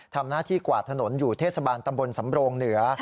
ทำหน้าที่กวาดถนนอยู่เทศบาลตำบลสำโรงเหนือ